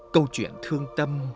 câu chuyện thương tâm